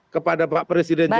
kepada pak presiden jokowi